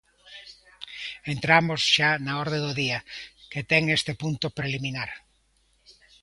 Entramos xa na orde do día, que ten este punto preliminar.